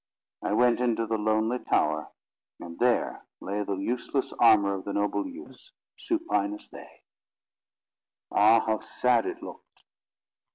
I went into the lonely tower, and there lay the useless armour of the noble youths—supine as they. Ah, how sad it looked!